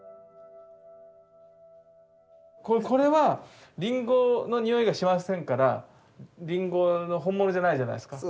これはリンゴの匂いがしませんからリンゴの本物じゃないじゃないですか。